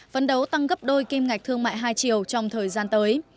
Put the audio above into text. vấn đấu tăng gấp đôi kim ngạch thương mại hai triều trong thời gian tới